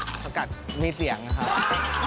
เพราะว่ามีเสียงนะครับ